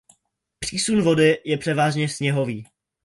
Přísun vody je převážně sněhový.